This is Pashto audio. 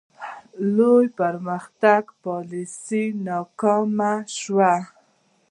د لوی پرمختګ پالیسي ناکامه شوه.